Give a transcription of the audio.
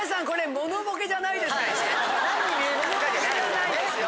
モノボケじゃないですよ。